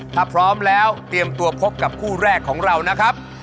ถ้าพร้อมแล้วเตรียมตัวพบกับคู่แรกของเรานะครับ